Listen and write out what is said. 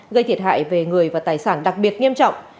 gây thiệt hại về người và tài sản đặc biệt nghiêm trọng